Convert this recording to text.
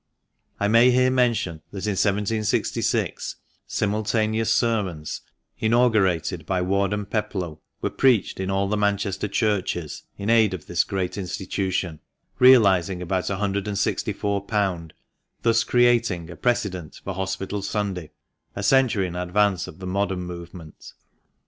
I may here mention that in 1766 simultaneous sermons— inaugurated by Warden Peploe— were preached in all the Manchester churches in aid of this great institution, realising about ^164, thus creating a precedent for "Hospital Sunday" a century in advance of the modern movement.